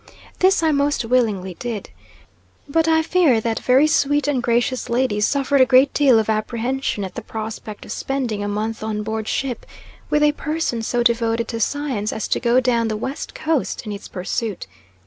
This I most willingly did. But I fear that very sweet and gracious lady suffered a great deal of apprehension at the prospect of spending a month on board ship with a person so devoted to science as to go down the West Coast in its pursuit.